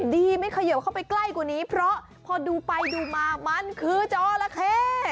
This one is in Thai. ดีไม่เขยิบเข้าไปใกล้กว่านี้เพราะพอดูไปดูมามันคือจอระเข้